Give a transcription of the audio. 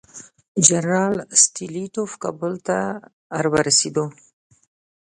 جنرال ستولیتوف کابل ته راورسېد.